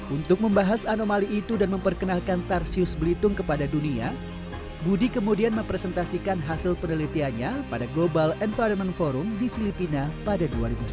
untuk membahas anomali itu dan memperkenalkan tarsius belitung kepada dunia budi kemudian mempresentasikan hasil penelitiannya pada global environment forum di filipina pada dua ribu tujuh belas